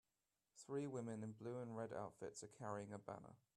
Three women in blue and red outfits are carrying a banner